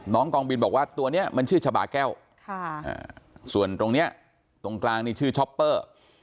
กองบินบอกว่าตัวนี้มันชื่อชาบาแก้วส่วนตรงนี้ตรงกลางนี่ชื่อช็อปเปอร์